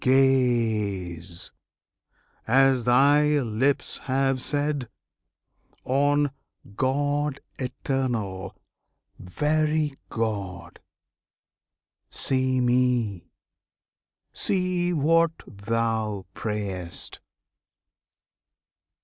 Gaze, as thy lips have said, On GOD ETERNAL, VERY GOD! See Me! see what thou prayest!